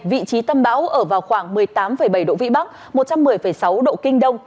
vị trí tâm bão ở vào khoảng một mươi tám bảy độ vĩ bắc một trăm một mươi sáu độ kinh đông